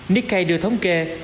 nick hay đưa thống kê